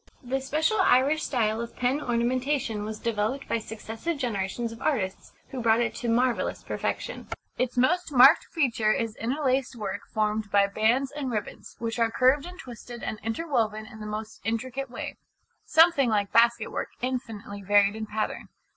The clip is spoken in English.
The special Irish style of pen ornamentation was developed by successive generations of artists, who brought it to marvellous perfection. Its most marked feature is interlaced work formed by bands and ribbons, which are curved and twisted and interwoven in the most intricate way, something like basket work infinitely varied in pattern.